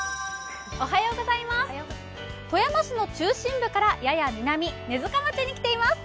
富山市の中心部からやや南、根塚町に来ています。